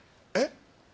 えっ？